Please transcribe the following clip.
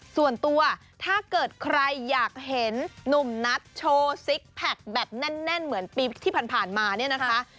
ส่วนตัวถ้าเกิดใครอยากเห็นหนุ่มนัทโชว์ซิกแพคแบบแน่นเหมือนปีที่ผ่านมาเนี่ยนะคะ